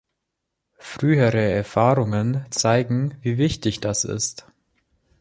Frühere Erfahrungen zeigen, wie wichtig das ist.